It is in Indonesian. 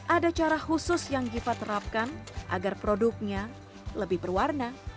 ada cara khusus yang giva terapkan agar produknya lebih berwarna